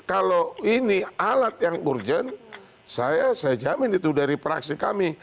kalau ini alat yang urgent saya jamin itu dari praksi kami